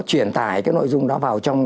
truyền tải cái nội dung đó vào trong